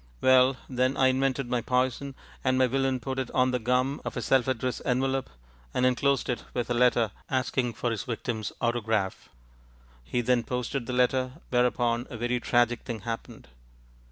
Well, then, I invented my poison, and my villain put it on the gum of a self addressed envelope, and enclosed it with a letter asking for his victim's autograph. He then posted the letter, whereupon a very tragic thing happened.